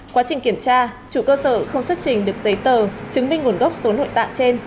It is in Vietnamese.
quá trình kiểm tra chủ cơ sở không xuất trình được giấy tờ chứng minh nguồn gốc số nội tạng trên